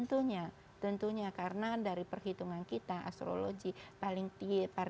tentunya karena dari perhitungan kita astrologi paling terang itu adanya di timur